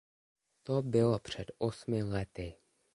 To bylo před osmi lety.